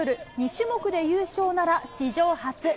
２種目で優勝なら史上初。